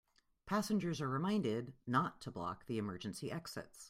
Passengers are reminded not to block the emergency exits.